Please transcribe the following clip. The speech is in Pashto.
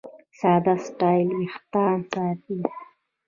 ساده سټایل وېښتيان ساتي.